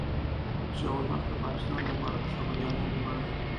ضیا الحق د پاکستان د خبریالانو غړی.